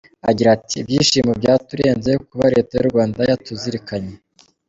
Agira ati “Ibyishimo byaturenze kuba Leta y’u Rwanda yatuzirikanye.